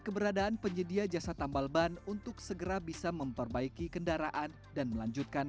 keberadaan penyedia jasa tambal ban untuk segera bisa memperbaiki kendaraan dan melanjutkan